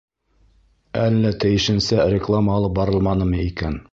Әллә тейешенсә реклама алып барылманымы икән?